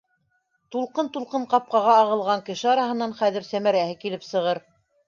Тулҡын-тулҡын ҡапҡаға ағылған кеше араһынан хәҙер Сәмәрәһе килеп сығыр.